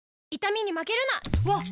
わっ！